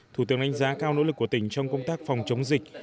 thủ tướng đánh giá cao nỗ lực của tỉnh trong công tác phòng chống dịch